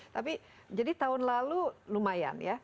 tapi jadi tahun lalu lumayan ya